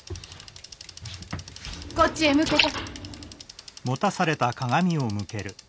こっちへ向けて。